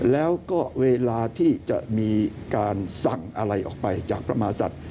แล้วก็เวลาที่จะมีการสั่งอะไรออกไปจากพระมหาศัตริย์